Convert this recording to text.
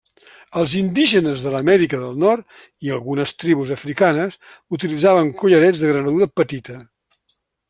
Els indígenes de l'Amèrica del Nord i algunes tribus africanes utilitzaven collarets de granadura petita.